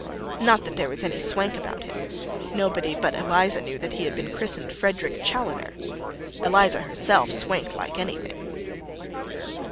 Not that there was any swank about him: nobody but Eliza knew that he had been christened Frederick Challoner. Eliza herself swanked like anything.